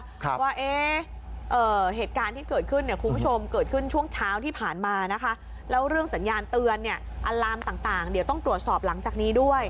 ว่าเอ๊ะเหตุการณ์ที่เกิดขึ้นเนี่ยคุณผู้ชมเกิดขึ้นช่วงเช้าที่ผ่านมานะคะแล้วเรื่องสัญญาณเตือนเนี่ยอัลลามต่างเดี๋ยวต้องตรวจสอบหลังจากนี้ด้วย